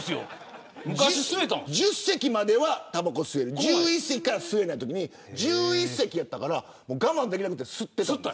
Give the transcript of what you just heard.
１０席まではたばこが吸える１１席から吸えないというときに１１席に座ってたから我慢できなくて吸ったんです。